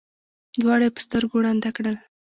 دواړه یې په سترګو ړانده کړل.